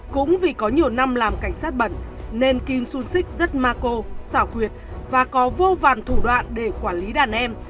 cũng vì có nhiều năm làm cảnh sát bẩn nên kim sung sik rất ma cô xảo quyệt và có vô vàn thủ đoạn để quản lý đàn em